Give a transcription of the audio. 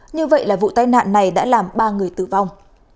như vậy là vụ tai nạn này đã làm ba người tử vong